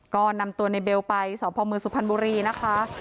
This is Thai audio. ก็นำตัวในเบลไปสพมสุพรรณบุรีนะคะ